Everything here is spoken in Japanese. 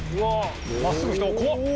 真っすぐ来た怖っ！